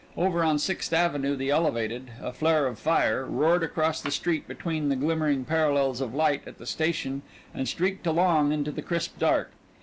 Over on Sixth Avenue the elevated, a flare of fire, roared across the street between the glimmering parallels of light at the station and streaked along into the crisp dark.